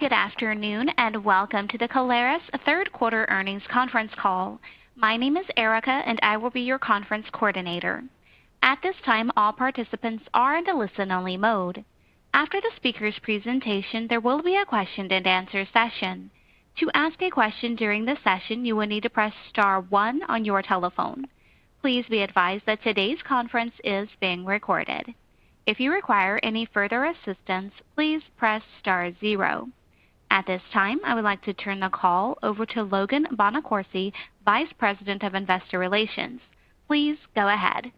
Good afternoon, and welcome to the Caleres third quarter earnings conference call. My name is Erica, and I will be your conference coordinator. At this time, all participants are in a listen-only mode. After the speaker's presentation, there will be a question-and-answer session. To ask a question during the session, you will need to press star one on your telephone. Please be advised that today's conference is being recorded. If you require any further assistance, please press star zero. At this time, I would like to turn the call over to Logan Bonacorsi, Vice President of Investor Relations. Please go ahead.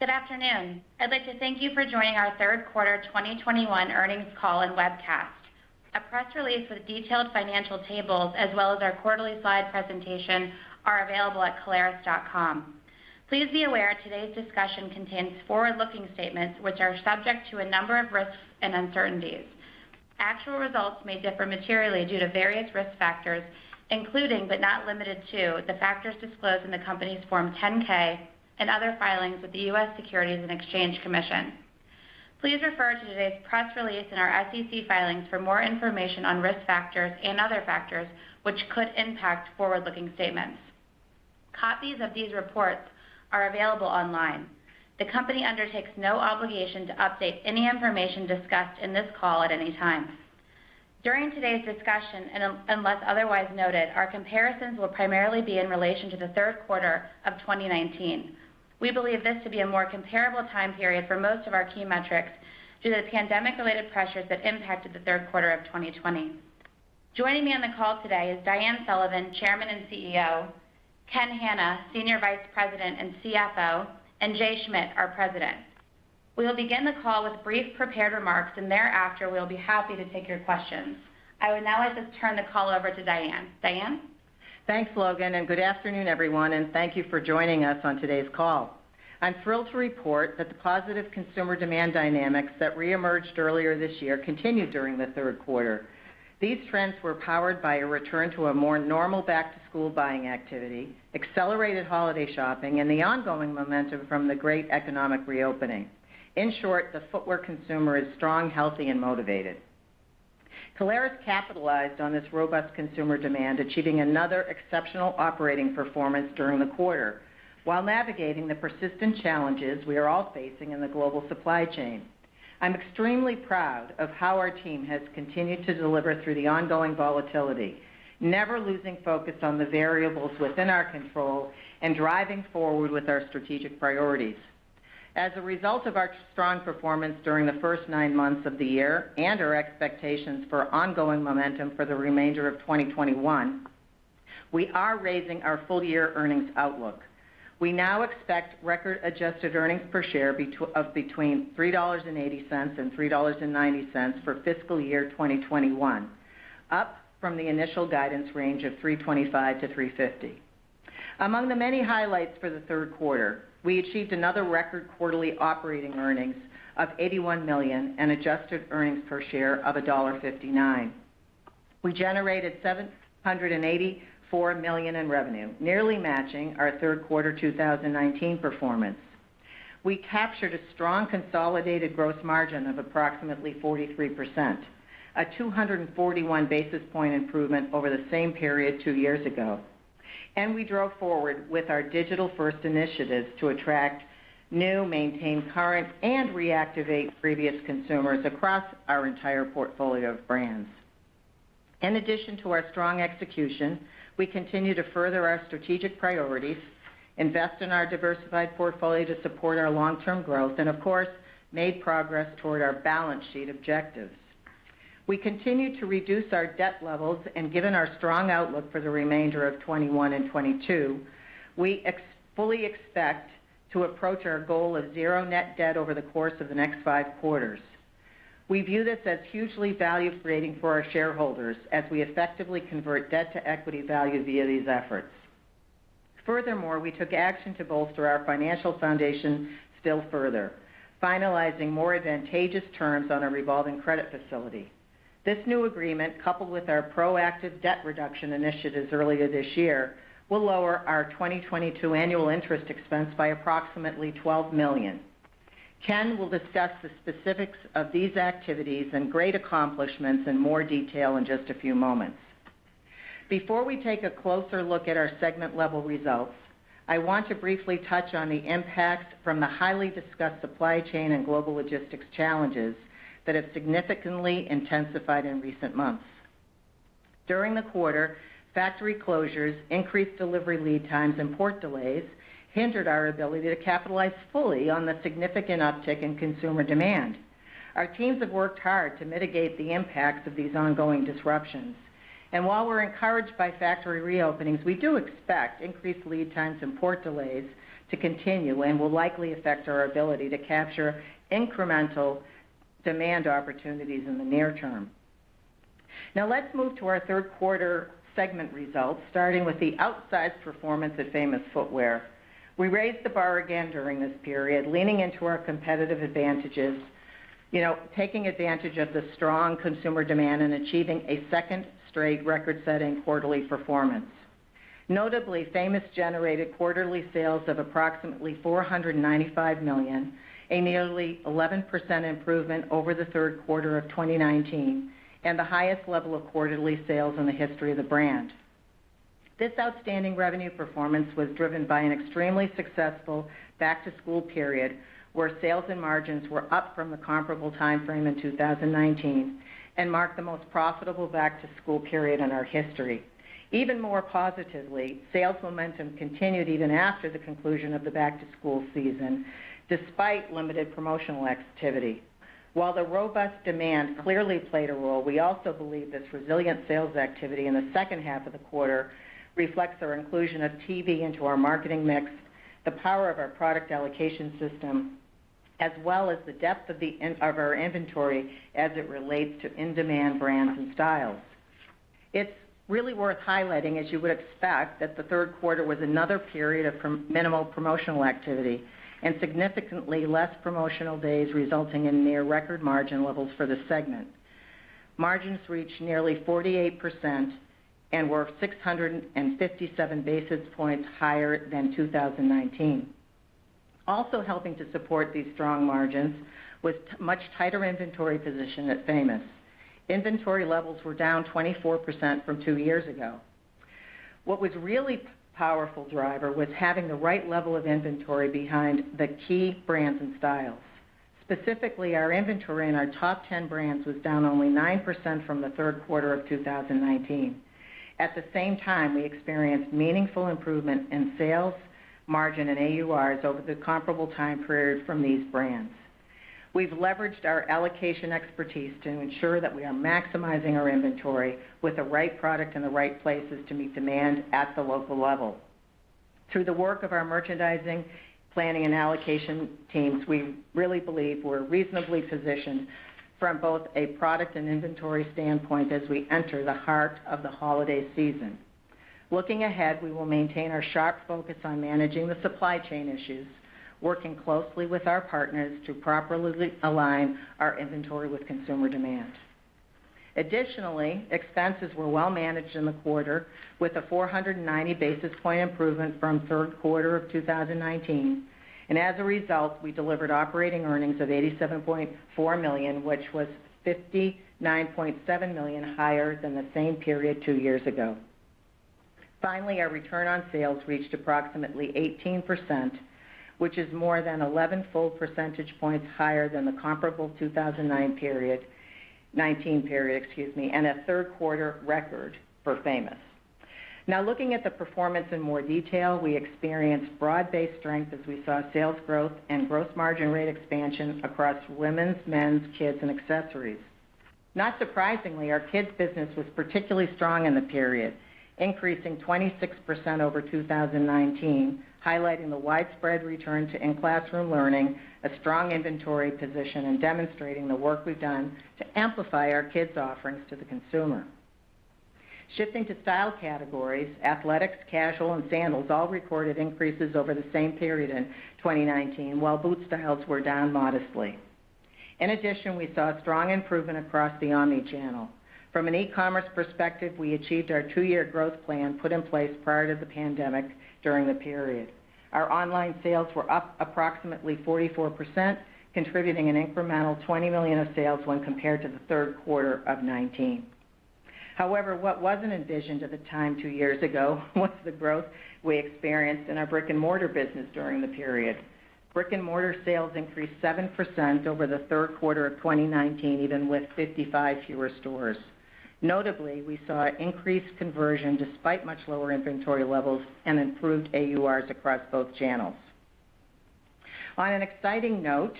Good afternoon. I'd like to thank you for joining our third quarter 2021 earnings call and webcast. A press release with detailed financial tables as well as our quarterly slide presentation are available at caleres.com. Please be aware today's discussion contains forward-looking statements which are subject to a number of risks and uncertainties. Actual results may differ materially due to various risk factors, including but not limited to the factors disclosed in the company's Form 10-K and other filings with the U.S. Securities and Exchange Commission. Please refer to today's press release in our SEC filings for more information on risk factors and other factors which could impact forward-looking statements. Copies of these reports are available online. The company undertakes no obligation to update any information discussed in this call at any time. During today's discussion, unless otherwise noted, our comparisons will primarily be in relation to the third quarter of 2019. We believe this to be a more comparable time period for most of our key metrics due to the pandemic-related pressures that impacted the third quarter of 2020. Joining me on the call today is Diane Sullivan, Chairman and CEO, Ken Hannah, Senior Vice President and CFO, and Jay Schmidt, our President. We will begin the call with brief prepared remarks, and thereafter, we'll be happy to take your questions. I would now like to turn the call over to Diane. Diane? Thanks, Logan, and good afternoon, everyone, and thank you for joining us on today's call. I'm thrilled to report that the positive consumer demand dynamics that reemerged earlier this year continued during the third quarter. These trends were powered by a return to a more normal back-to-school buying activity, accelerated holiday shopping, and the ongoing momentum from the great economic reopening. In short, the footwear consumer is strong, healthy, and motivated. Caleres capitalized on this robust consumer demand, achieving another exceptional operating performance during the quarter while navigating the persistent challenges we are all facing in the global supply chain. I'm extremely proud of how our team has continued to deliver through the ongoing volatility, never losing focus on the variables within our control and driving forward with our strategic priorities. As a result of our strong performance during the first nine months of the year and our expectations for ongoing momentum for the remainder of 2021, we are raising our full-year earnings outlook. We now expect record adjusted earnings per share of between $3.80 and $3.90 for fiscal year 2021, up from the initial guidance range of $3.25-$3.50. Among the many highlights for the third quarter, we achieved another record quarterly operating earnings of $81 million and adjusted earnings per share of $1.59. We generated $784 million in revenue, nearly matching our third quarter 2019 performance. We captured a strong consolidated gross margin of approximately 43%, a 241 basis point improvement over the same period two years ago. We drove forward with our digital-first initiatives to attract new, maintain current, and reactivate previous consumers across our entire portfolio of brands. In addition to our strong execution, we continue to further our strategic priorities, invest in our diversified portfolio to support our long-term growth, and of course, made progress toward our balance sheet objectives. We continue to reduce our debt levels, and given our strong outlook for the remainder of 2021 and 2022, we fully expect to approach our goal of zero net debt over the course of the next five quarters. We view this as hugely value-creating for our shareholders as we effectively convert debt to equity value via these efforts. Furthermore, we took action to bolster our financial foundation still further, finalizing more advantageous terms on a revolving credit facility. This new agreement, coupled with our proactive debt reduction initiatives earlier this year, will lower our 2022 annual interest expense by approximately $12 million. Ken will discuss the specifics of these activities and great accomplishments in more detail in just a few moments. Before we take a closer look at our segment-level results, I want to briefly touch on the impacts from the highly discussed supply chain and global logistics challenges that have significantly intensified in recent months. During the quarter, factory closures, increased delivery lead times, and port delays hindered our ability to capitalize fully on the significant uptick in consumer demand. Our teams have worked hard to mitigate the impacts of these ongoing disruptions. While we're encouraged by factory reopenings, we do expect increased lead times and port delays to continue and will likely affect our ability to capture incremental demand opportunities in the near term. Now let's move to our third quarter segment results, starting with the outsized performance of Famous Footwear. We raised the bar again during this period, leaning into our competitive advantages, you know, taking advantage of the strong consumer demand and achieving a second straight record-setting quarterly performance. Notably, Famous generated quarterly sales of approximately $495 million, a nearly 11% improvement over the third quarter of 2019, and the highest level of quarterly sales in the history of the brand. This outstanding revenue performance was driven by an extremely successful back-to-school period, where sales and margins were up from the comparable timeframe in 2019 and marked the most profitable back-to-school period in our history. Even more positively, sales momentum continued even after the conclusion of the back-to-school season, despite limited promotional activity. While the robust demand clearly played a role, we also believe this resilient sales activity in the second half of the quarter reflects our inclusion of TV into our marketing mix, the power of our product allocation system, as well as the depth of our inventory as it relates to in-demand brands and styles. It's really worth highlighting, as you would expect, that the third quarter was another period of minimal promotional activity and significantly less promotional days resulting in near record margin levels for the segment. Margins reached nearly 48% and were 657 basis points higher than 2019. Also helping to support these strong margins was much tighter inventory position at Famous. Inventory levels were down 24% from two years ago. What was really powerful driver was having the right level of inventory behind the key brands and styles. Specifically, our inventory in our top 10 brands was down only 9% from the third quarter of 2019. At the same time, we experienced meaningful improvement in sales, margin, and AURs over the comparable time period from these brands. We've leveraged our allocation expertise to ensure that we are maximizing our inventory with the right product in the right places to meet demand at the local level. Through the work of our merchandising, planning, and allocation teams, we really believe we're reasonably positioned from both a product and inventory standpoint as we enter the heart of the holiday season. Looking ahead, we will maintain our sharp focus on managing the supply chain issues, working closely with our partners to properly align our inventory with consumer demand. Additionally, expenses were well managed in the quarter, with a 490 basis point improvement from third quarter of 2019. As a result, we delivered operating earnings of $87.4 million, which was $59.7 million higher than the same period two years ago. Finally, our return on sales reached approximately 18%, which is more than 11 full percentage points higher than the comparable 2019 period, excuse me, and a third quarter record for Famous. Now looking at the performance in more detail, we experienced broad-based strength as we saw sales growth and gross margin rate expansion across women's, men's, kids, and accessories. Not surprisingly, our kids business was particularly strong in the period, increasing 26% over 2019, highlighting the widespread return to in-classroom learning, a strong inventory position, and demonstrating the work we've done to amplify our kids offerings to the consumer. Shifting to style categories, athletics, casual, and sandals all recorded increases over the same period in 2019, while boot styles were down modestly. In addition, we saw strong improvement across the omni-channel. From an e-commerce perspective, we achieved our two year growth plan put in place prior to the pandemic during the period. Our online sales were up approximately 44%, contributing an incremental $20 million of sales when compared to the third quarter of 2019. However, what wasn't envisioned at the time two years ago was the growth we experienced in our brick-and-mortar business during the period. Brick-and-mortar sales increased 7% over the third quarter of 2019, even with 55 fewer stores. Notably, we saw increased conversion despite much lower inventory levels and improved AURs across both channels. On an exciting note,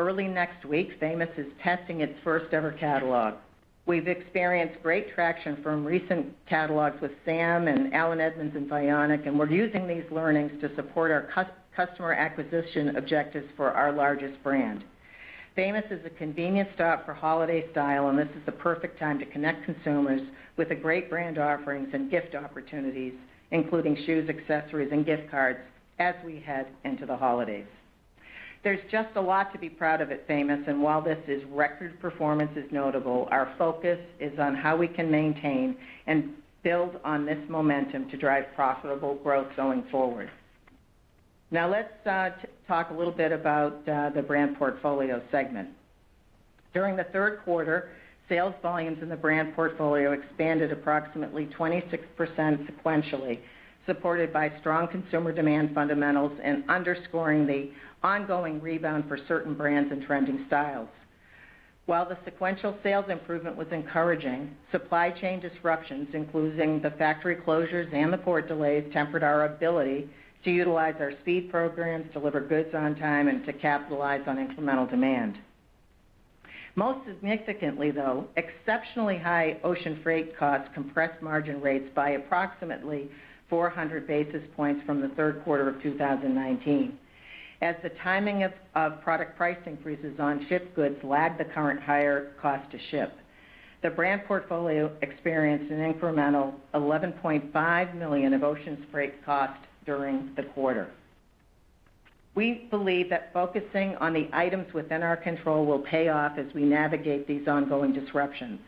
early next week, Famous is testing its first-ever catalog. We've experienced great traction from recent catalogs with Sam Edelman and Allen Edmonds and Vionic, and we're using these learnings to support our customer acquisition objectives for our largest brand. Famous is a convenience stop for holiday style, and this is the perfect time to connect consumers with a great brand offerings and gift opportunities, including shoes, accessories, and gift cards as we head into the holidays. There's just a lot to be proud of at Famous, and while this record performance is notable, our focus is on how we can maintain and build on this momentum to drive profitable growth going forward. Now let's talk a little bit about the Brand Portfolio segment. During the third quarter, sales volumes in the Brand Portfolio expanded approximately 26% sequentially, supported by strong consumer demand fundamentals and underscoring the ongoing rebound for certain brands and trending styles. While the sequential sales improvement was encouraging, supply chain disruptions, including the factory closures and the port delays, tempered our ability to utilize our speed programs, deliver goods on time, and to capitalize on incremental demand. Most significantly, though, exceptionally high ocean freight costs compressed margin rates by approximately 400 basis points from the third quarter of 2019. As the timing of product price increases on shipped goods lagged the current higher cost to ship. The Brand Portfolio experienced an incremental $11.5 million of ocean freight cost during the quarter. We believe that focusing on the items within our control will pay off as we navigate these ongoing disruptions.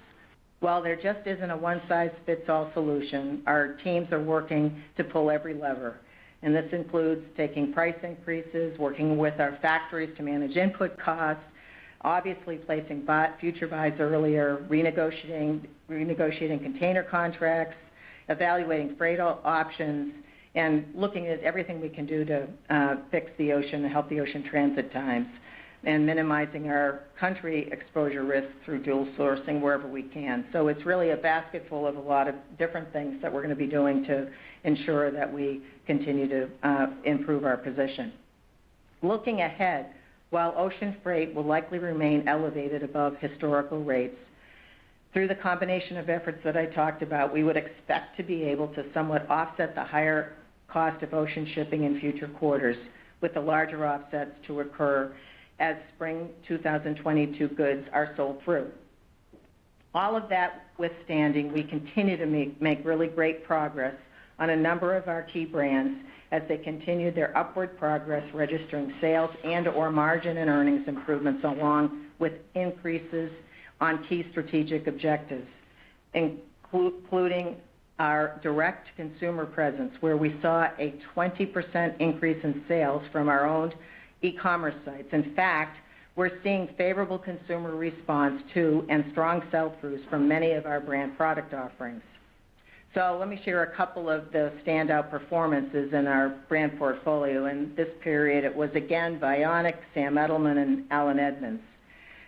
While there just isn't a one-size-fits-all solution, our teams are working to pull every lever, and this includes taking price increases, working with our factories to manage input costs, obviously placing future buys earlier, renegotiating container contracts, evaluating freight options, and looking at everything we can do to fix the ocean, to help the ocean transit times, and minimizing our country exposure risk through dual sourcing wherever we can. It's really a basket full of a lot of different things that we're gonna be doing to ensure that we continue to improve our position. Looking ahead, while ocean freight will likely remain elevated above historical rates, through the combination of efforts that I talked about, we would expect to be able to somewhat offset the higher cost of ocean shipping in future quarters with the larger offsets to occur as spring 2022 goods are sold through. All of that notwithstanding, we continue to make really great progress on a number of our key brands as they continue their upward progress, registering sales and/or margin and earnings improvements, along with increases on key strategic objectives, including our direct consumer presence, where we saw a 20% increase in sales from our own e-commerce sites. In fact, we're seeing favorable consumer response to, and strong sell-throughs from many of our brand product offerings. Let me share a couple of the standout performances in our Brand Portfolio. In this period, it was again Vionic, Sam Edelman, and Allen Edmonds.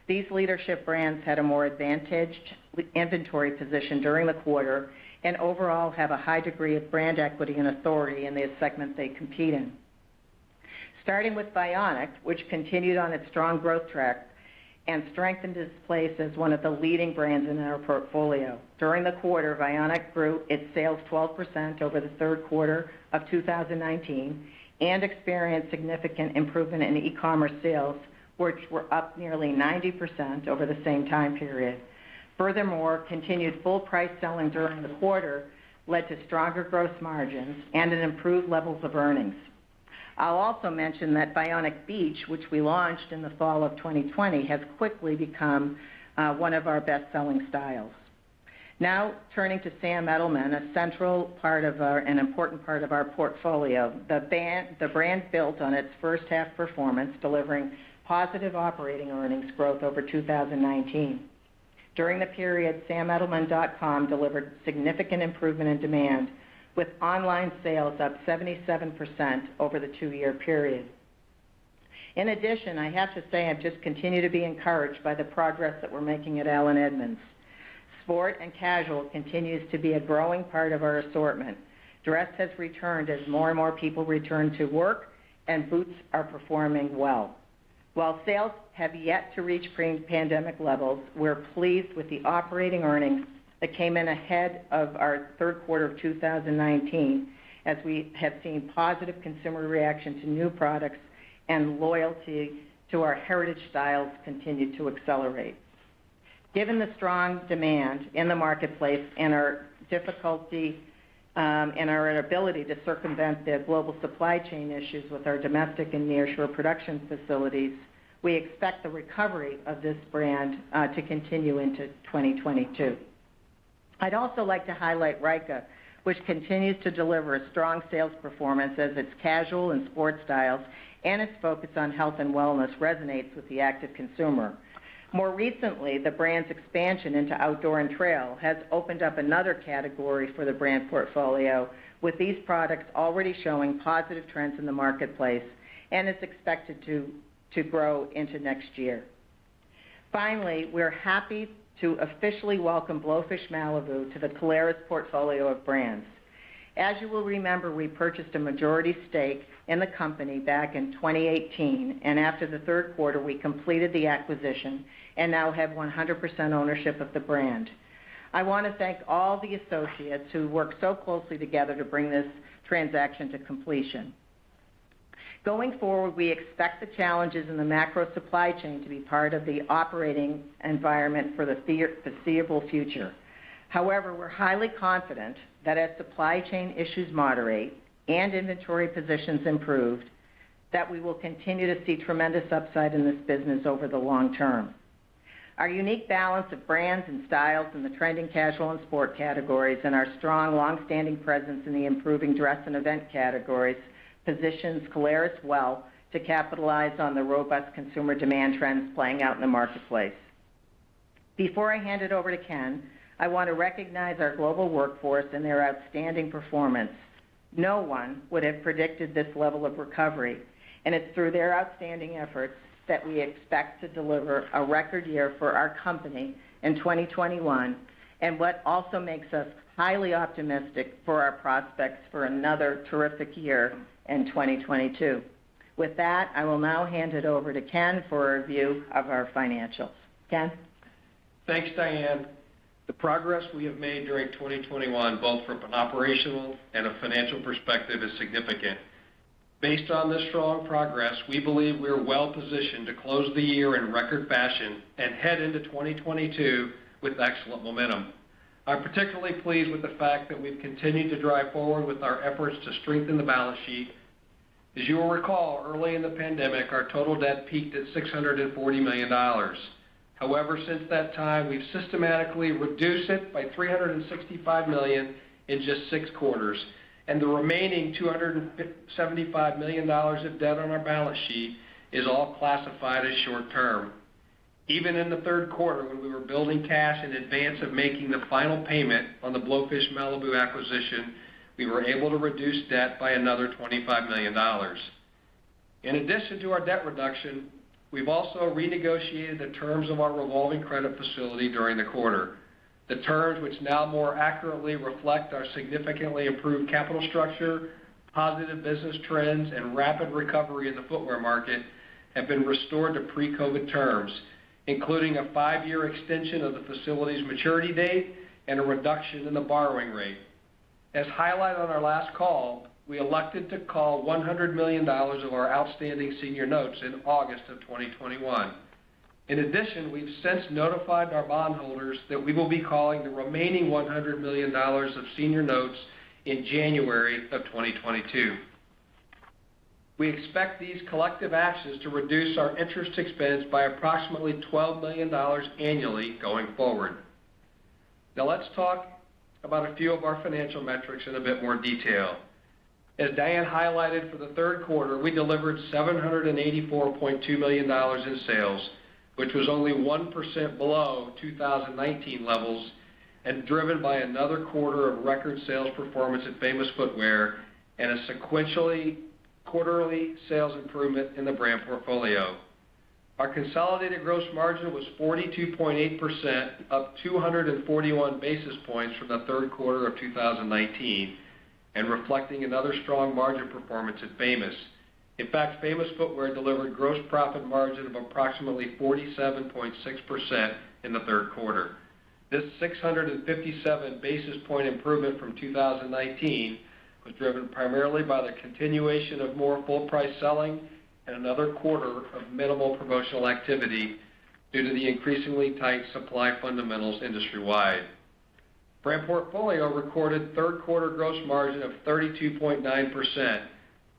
These leadership brands had a more advantaged inventory position during the quarter, and overall have a high degree of brand equity and authority in the segments they compete in. Starting with Vionic, which continued on its strong growth track and strengthened its place as one of the leading brands in our portfolio. During the quarter, Vionic grew its sales 12% over the third quarter of 2019 and experienced significant improvement in e-commerce sales, which were up nearly 90% over the same time period. Furthermore, continued full price selling during the quarter led to stronger gross margins and an improved levels of earnings. I'll also mention that Vionic Beach, which we launched in the fall of 2020, has quickly become one of our best-selling styles. Now turning to Sam Edelman, an important part of our portfolio. The brand built on its first half performance, delivering positive operating earnings growth over 2019. During the period, samedelman.com delivered significant improvement in demand, with online sales up 77% over the two-year period. In addition, I have to say I just continue to be encouraged by the progress that we're making at Allen Edmonds. Sport and casual continues to be a growing part of our assortment. Dress has returned as more and more people return to work, and boots are performing well. While sales have yet to reach pre-pandemic levels, we're pleased with the operating earnings that came in ahead of our third quarter of 2019, as we have seen positive consumer reaction to new products and loyalty to our heritage styles continue to accelerate. Given the strong demand in the marketplace and our difficulty and our inability to circumvent the global supply chain issues with our domestic and nearshore production facilities, we expect the recovery of this brand to continue into 2022. I'd also like to highlight Ryka, which continues to deliver a strong sales performance as its casual and sports styles and its focus on health and wellness resonates with the active consumer. More recently, the brand's expansion into outdoor and trail has opened up another category for the brand portfolio, with these products already showing positive trends in the marketplace, and it's expected to grow into next year. Finally, we're happy to officially welcome Blowfish Malibu to the Caleres portfolio of brands. As you will remember, we purchased a majority stake in the company back in 2018, and after the third quarter, we completed the acquisition and now have 100% ownership of the brand. I wanna thank all the associates who worked so closely together to bring this transaction to completion. Going forward, we expect the challenges in the macro supply chain to be part of the operating environment for the foreseeable future. However, we're highly confident that as supply chain issues moderate and inventory positions improve, that we will continue to see tremendous upside in this business over the long term. Our unique balance of brands and styles in the trending casual and sport categories and our strong, longstanding presence in the improving dress and event categories positions Caleres well to capitalize on the robust consumer demand trends playing out in the marketplace. Before I hand it over to Ken, I want to recognize our global workforce and their outstanding performance. No one would have predicted this level of recovery, and it's through their outstanding efforts that we expect to deliver a record year for our company in 2021, and what also makes us highly optimistic for our prospects for another terrific year in 2022. With that, I will now hand it over to Ken for a review of our financials. Ken? Thanks, Diane. The progress we have made during 2021, both from an operational and a financial perspective, is significant. Based on this strong progress, we believe we are well positioned to close the year in record fashion and head into 2022 with excellent momentum. I'm particularly pleased with the fact that we've continued to drive forward with our efforts to strengthen the balance sheet. As you will recall, early in the pandemic, our total debt peaked at $640 million. However, since that time, we've systematically reduced it by $365 million in just six quarters, and the remaining $275 million of debt on our balance sheet is all classified as short term. Even in the third quarter, when we were building cash in advance of making the final payment on the Blowfish Malibu acquisition, we were able to reduce debt by another $25 million. In addition to our debt reduction, we've also renegotiated the terms of our revolving credit facility during the quarter. The terms, which now more accurately reflect our significantly improved capital structure, positive business trends, and rapid recovery in the footwear market, have been restored to pre-COVID terms, including a five-year extension of the facility's maturity date and a reduction in the borrowing rate. As highlighted on our last call, we elected to call $100 million of our outstanding senior notes in August 2021. In addition, we've since notified our bondholders that we will be calling the remaining $100 million of senior notes in January 2022. We expect these collective actions to reduce our interest expense by approximately $12 million annually going forward. Now let's talk about a few of our financial metrics in a bit more detail. As Diane highlighted for the third quarter, we delivered $784.2 million in sales, which was only 1% below 2019 levels, and driven by another quarter of record sales performance at Famous Footwear and a sequentially quarterly sales improvement in the Brand Portfolio. Our consolidated gross margin was 42.8%, up 241 basis points from the third quarter of 2019, and reflecting another strong margin performance at Famous. In fact, Famous Footwear delivered gross profit margin of approximately 47.6% in the third quarter. This 657 basis point improvement from 2019 was driven primarily by the continuation of more full price selling and another quarter of minimal promotional activity due to the increasingly tight supply fundamentals industry wide. Brand Portfolio recorded third quarter gross margin of 32.9%,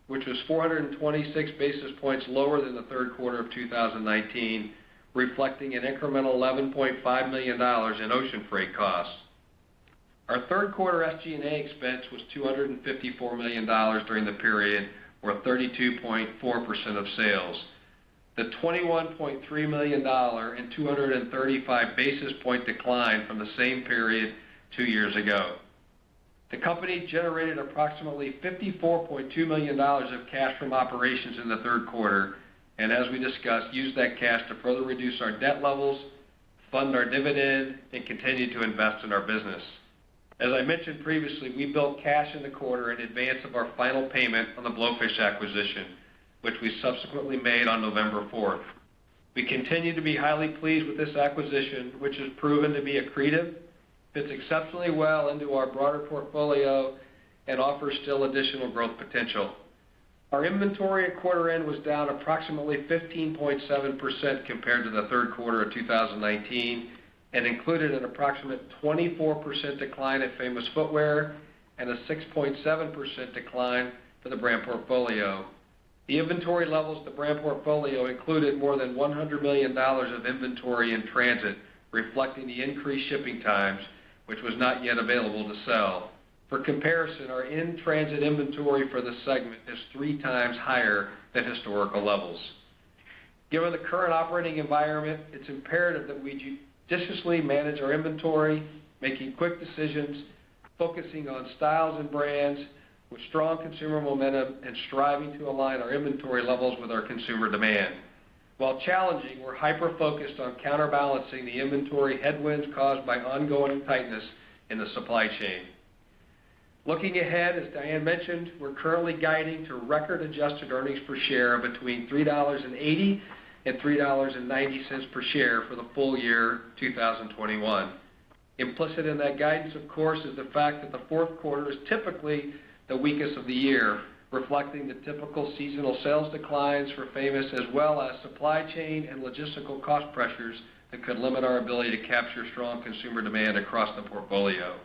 which was 426 basis points lower than the third quarter of 2019, reflecting an incremental $11.5 million in ocean freight costs. Our third quarter SG&A expense was $254 million during the period, or 32.4% of sales, the $21.3 million and 235 basis point decline from the same period two years ago. The company generated approximately $54.2 million of cash from operations in the third quarter, and as we discussed, used that cash to further reduce our debt levels, fund our dividend, and continue to invest in our business. As I mentioned previously, we built cash in the quarter in advance of our final payment on the Blowfish acquisition, which we subsequently made on November four. We continue to be highly pleased with this acquisition, which has proven to be accretive, fits exceptionally well into our broader portfolio, and offers still additional growth potential. Our inventory at quarter end was down approximately 15.7% compared to the third quarter of 2019 and included an approximate 24% decline at Famous Footwear and a 6.7% decline for the Brand Portfolio. The inventory levels of the Brand Portfolio included more than $100 million of inventory in transit, reflecting the increased shipping times which was not yet available to sell. For comparison, our in-transit inventory for this segment is 3x higher than historical levels. Given the current operating environment, it's imperative that we judiciously manage our inventory, making quick decisions, focusing on styles and brands with strong consumer momentum, and striving to align our inventory levels with our consumer demand. While challenging, we're hyper-focused on counterbalancing the inventory headwinds caused by ongoing tightness in the supply chain. Looking ahead, as Diane mentioned, we're currently guiding to record adjusted earnings per share of between $3.80 and $3.90 per share for the full-year 2021. Implicit in that guidance, of course, is the fact that the fourth quarter is typically the weakest of the year, reflecting the typical seasonal sales declines for Famous, as well as supply chain and logistical cost pressures that could limit our ability to capture strong consumer demand across the portfolio.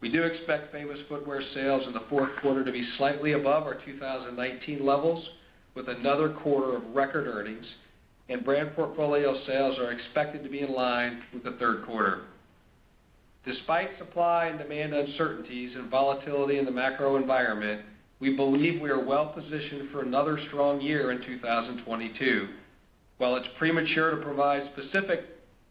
We do expect Famous Footwear sales in the fourth quarter to be slightly above our 2019 levels with another quarter of record earnings, and Brand Portfolio sales are expected to be in line with the third quarter. Despite supply and demand uncertainties and volatility in the macro environment, we believe we are well positioned for another strong year in 2022. While it's premature to provide specific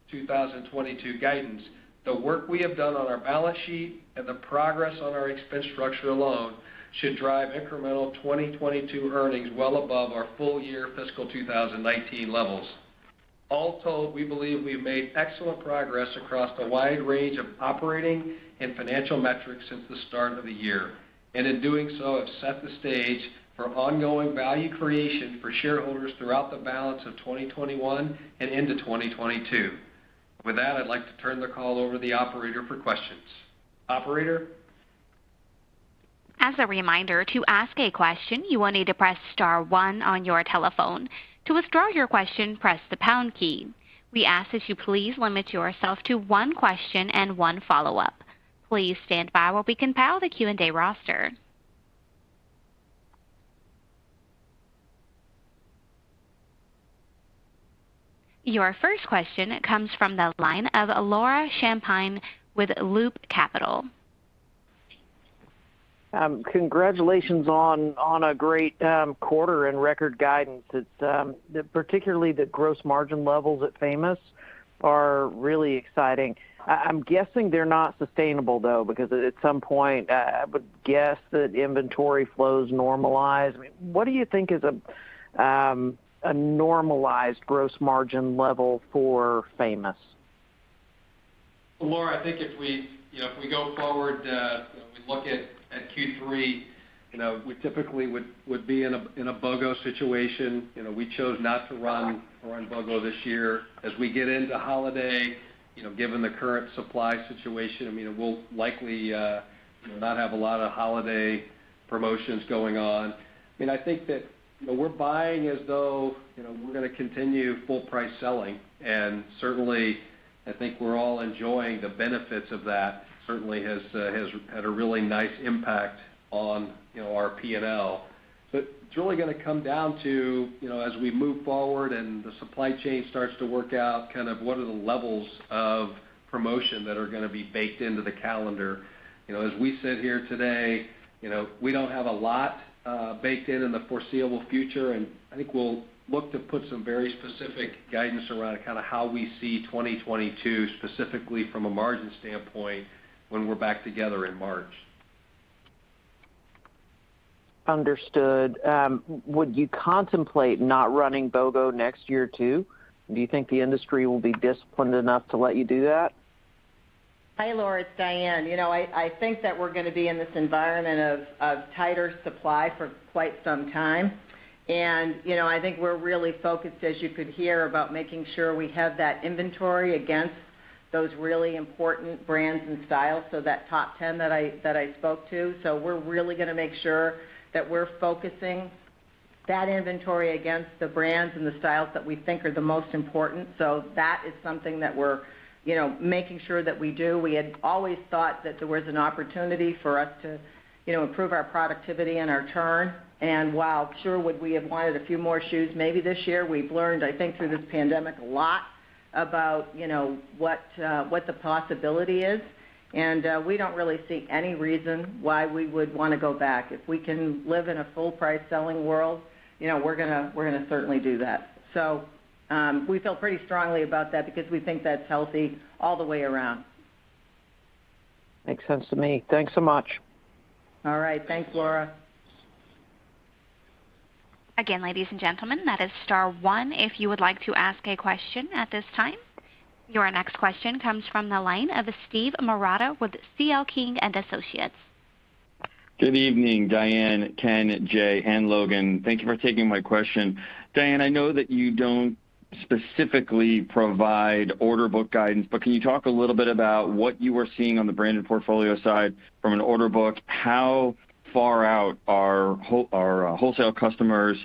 2022 guidance, the work we have done on our balance sheet and the progress on our expense structure alone should drive incremental 2022 earnings well above our full-year fiscal 2019 levels. All told, we believe we have made excellent progress across a wide range of operating and financial metrics since the start of the year, and in doing so have set the stage for ongoing value creation for shareholders throughout the balance of 2021 and into 2022. With that, I'd like to turn the call over to the operator for questions. Operator? As a reminder, to ask a question, you will need to press star one on your telephone. To withdraw your question, press the pound key. We ask that you please limit yourself to one question and one follow-up. Please stand by while we compile the Q&A roster. Your first question comes from the line of Laura Champine with Loop Capital. Congratulations on a great quarter and record guidance. It's particularly the gross margin levels at Famous are really exciting. I'm guessing they're not sustainable though, because at some point I would guess that inventory flows normalize. What do you think is a normalized gross margin level for Famous? Laura, I think if we, you know, if we go forward, we look at Q3, you know, we typically would be in a BOGO situation. You know, we chose not to run BOGO this year. As we get into holiday, you know, given the current supply situation, I mean, we'll likely, you know, not have a lot of holiday promotions going on. I mean, I think that, you know, we're buying as though, you know, we're gonna continue full-price selling. Certainly, I think we're all enjoying the benefits of that. Certainly had a really nice impact on, you know, our P&L. It's really gonna come down to, you know, as we move forward and the supply chain starts to work out, kind of what are the levels of promotion that are gonna be baked into the calendar. You know, as we sit here today, you know, we don't have a lot baked in in the foreseeable future, and I think we'll look to put some very specific guidance around kind of how we see 2022, specifically from a margin standpoint, when we're back together in March. Understood. Would you contemplate not running BOGO next year, too? Do you think the industry will be disciplined enough to let you do that? Hi, Laura. It's Diane. You know, I think that we're gonna be in this environment of tighter supply for quite some time. You know, I think we're really focused, as you could hear, about making sure we have that inventory against those really important brands and styles, so that top 10 that I spoke to. We're really gonna make sure that we're focusing that inventory against the brands and the styles that we think are the most important. That is something that we're, you know, making sure that we do. We had always thought that there was an opportunity for us to, you know, improve our productivity and our turn. While, sure, we would have wanted a few more shoes maybe this year, we've learned, I think, through this pandemic a lot about, you know, what the possibility is. We don't really see any reason why we would wanna go back. If we can live in a full-price selling world, you know, we're gonna certainly do that. We feel pretty strongly about that because we think that's healthy all the way around. Makes sense to me. Thanks so much. All right. Thanks, Laura. Again, ladies and gentlemen, that is star one if you would like to ask a question at this time. Your next question comes from the line of Steven Marotta with C.L. King & Associates. Good evening, Diane, Ken, Jay, and Logan. Thank you for taking my question. Diane, I know that you don't specifically provide order book guidance, but can you talk a little bit about what you are seeing on the Brand Portfolio side from an order book? How far out are wholesale customers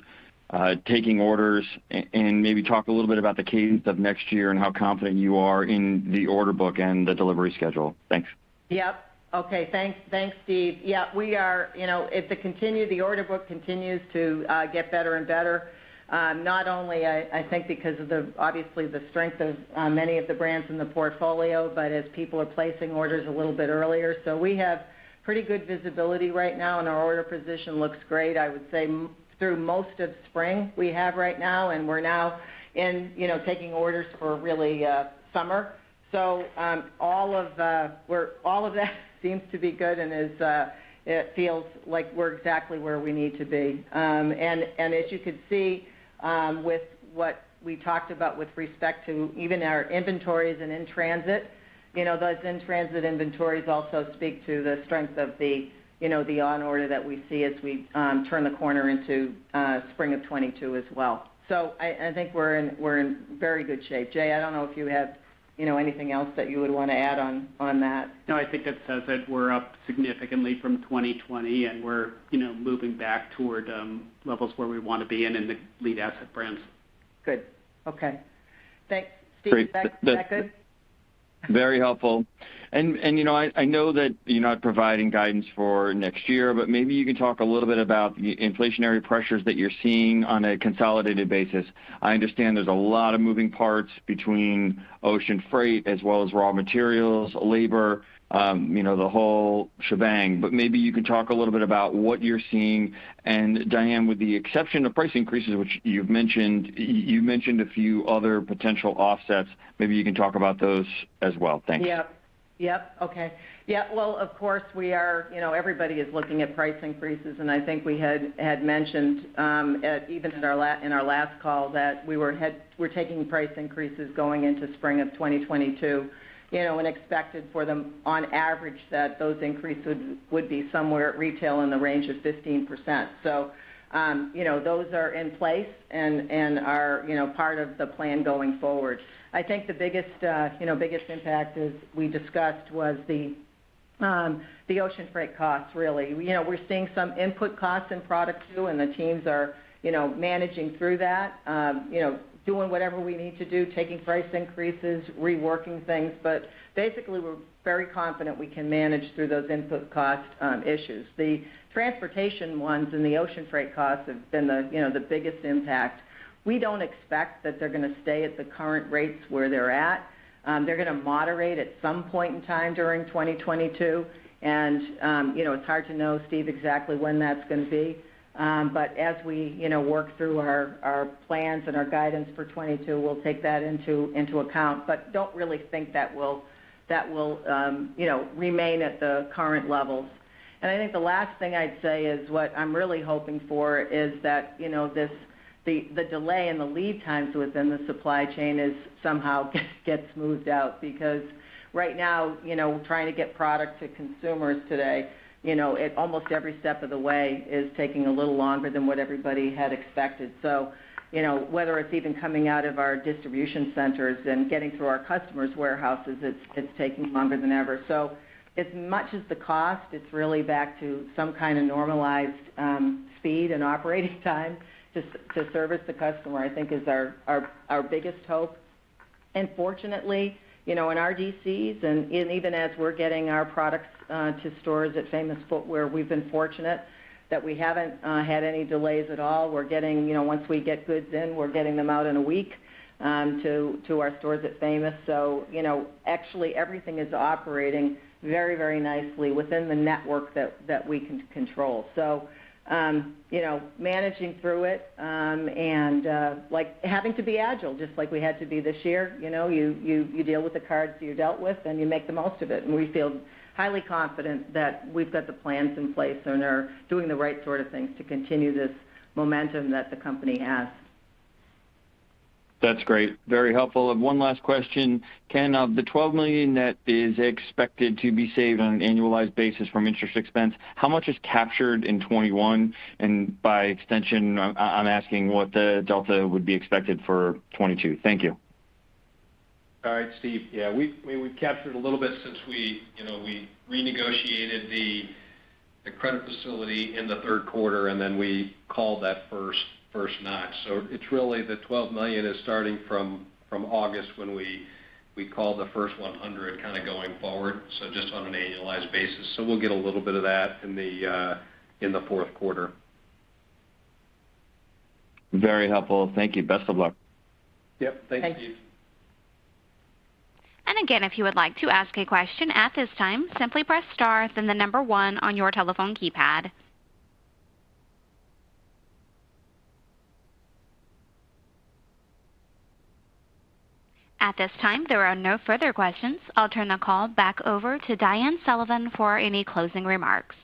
taking orders? And maybe talk a little bit about the cadence of next year and how confident you are in the order book and the delivery schedule. Thanks. Yep. Okay. Thanks, Steve. Yeah, we are, you know, if the order book continues to get better and better, not only, I think because of, obviously, the strength of many of the brands in the portfolio, but as people are placing orders a little bit earlier. We have pretty good visibility right now, and our order position looks great, I would say through most of spring we have right now, and we're now in, you know, taking orders for really summer. All of that seems to be good and is, it feels like we're exactly where we need to be. As you could see, with what we talked about with respect to even our inventories and in transit, you know, those in-transit inventories also speak to the strength of the, you know, the on order that we see as we turn the corner into spring of 2022 as well. I think we're in very good shape. Jay, I don't know if you have, you know, anything else that you would wanna add on that. No, I think that says it. We're up significantly from 2020, and we're, you know, moving back toward levels where we wanna be in the leadership brands. Good. Okay. Thanks. Steve, is that good? Very helpful. You know, I know that you're not providing guidance for next year, but maybe you can talk a little bit about the inflationary pressures that you're seeing on a consolidated basis. I understand there's a lot of moving parts between ocean freight as well as raw materials, labor, you know, the whole shebang. Maybe you can talk a little bit about what you're seeing. Diane, with the exception of price increases, which you've mentioned, you mentioned a few other potential offsets. Maybe you can talk about those as well. Thank you. Yep. Okay. Yeah, well, of course, we are, you know, everybody is looking at price increases, and I think we had mentioned even in our last call that we're taking price increases going into spring of 2022, you know, and expected for them on average that those increases would be somewhere at retail in the range of 15%. You know, those are in place and are, you know, part of the plan going forward. I think the biggest impact as we discussed was the ocean freight costs really. You know, we're seeing some input costs in product too, and the teams are, you know, managing through that. You know, doing whatever we need to do, taking price increases, reworking things. Basically, we're very confident we can manage through those input cost issues. The transportation ones and the ocean freight costs have been the, you know, the biggest impact. We don't expect that they're gonna stay at the current rates where they're at. They're gonna moderate at some point in time during 2022. You know, it's hard to know, Steve, exactly when that's gonna be. As we, you know, work through our plans and our guidance for 2022, we'll take that into account. Don't really think that will you know remain at the current levels. I think the last thing I'd say is what I'm really hoping for is that, you know, this the delay and the lead times within the supply chain somehow gets smoothed out. Because right now, you know, trying to get product to consumers today, you know, at almost every step of the way is taking a little longer than what everybody had expected. You know, whether it's even coming out of our distribution centers and getting through our customers' warehouses, it's taking longer than ever. As much as the cost, it's really back to some kind of normalized speed and operating time to service the customer, I think is our biggest hope. Fortunately, you know, in our DCs, and even as we're getting our products to stores at Famous Footwear, we've been fortunate that we haven't had any delays at all. We're getting, you know, once we get goods in, we're getting them out in a week to our stores at Famous. You know, actually everything is operating very, very nicely within the network that we can control. You know, managing through it, and like having to be agile, just like we had to be this year. You know, you deal with the cards you're dealt with, and you make the most of it. We feel highly confident that we've got the plans in place and are doing the right sort of things to continue this momentum that the company has. That's great. Very helpful. One last question. Ken, of the $12 million net is expected to be saved on an annualized basis from interest expense, how much is captured in 2021? By extension, I'm asking what the delta would be expected for 2022. Thank you. All right, Steve. Yeah. I mean, we've captured a little bit since we, you know, we renegotiated the credit facility in the third quarter, and then we called that first notch. It's really the $12 million is starting from August when we called the first 100 kinda going forward, just on an annualized basis. We'll get a little bit of that in the fourth quarter. Very helpful. Thank you. Best of luck. Yep. Thanks, Steve. Thank you. Again, if you would like to ask a question at this time, simply press star, then the number one on your telephone keypad. At this time, there are no further questions. I'll turn the call back over to Diane Sullivan for any closing remarks.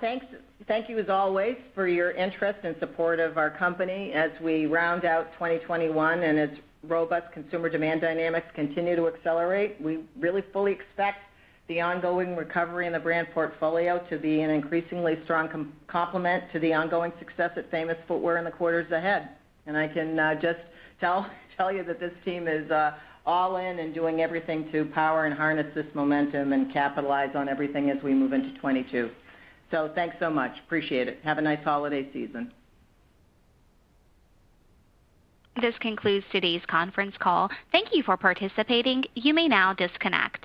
Thanks. Thank you as always for your interest and support of our company. As we round out 2021, and as robust consumer demand dynamics continue to accelerate, we really fully expect the ongoing recovery in the Brand Portfolio to be an increasingly strong complement to the ongoing success at Famous Footwear in the quarters ahead. I can just tell you that this team is all in and doing everything to power and harness this momentum and capitalize on everything as we move into 2022. Thanks so much. Appreciate it. Have a nice holiday season. This concludes today's conference call. Thank you for participating. You may now disconnect.